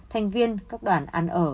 thành viên các đoàn ăn ở